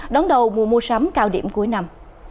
đón đầu mùa mua sắm cao điểm cuối năm